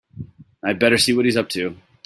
I'd better see what he's up to.